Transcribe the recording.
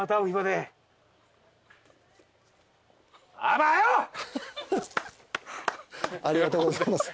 ありがとうございます。